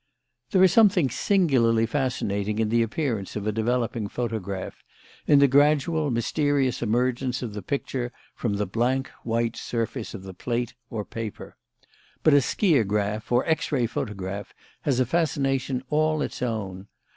There is something singularly fascinating in the appearance of a developing photograph; in the gradual, mysterious emergence of the picture from the blank, white surface of plate or paper. But a skiagraph, or X ray photograph, has a fascination all its own.